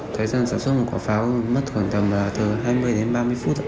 thời gian sản xuất một quả pháo mất khoảng tầm hai mươi ba mươi phút